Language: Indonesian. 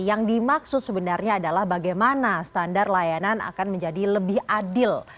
yang dimaksud sebenarnya adalah bagaimana standar layanan akan menjadi lebih adil